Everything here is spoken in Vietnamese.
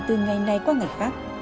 từ ngày nay qua ngày khác